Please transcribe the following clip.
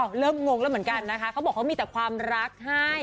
เริ่มงงแล้วเหมือนกันนะคะเขาบอกเขามีแต่ความรักให้